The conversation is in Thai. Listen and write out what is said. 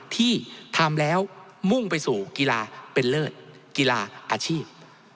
ที่ทำแล้วมุ่งไปสู่กีฬาเป็นเลิศกีฬาอาชีพ